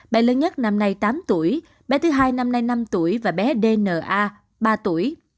bé lớn nhất năm nay tám tuổi bé thứ hai năm nay năm tuổi và bé d n a ba tuổi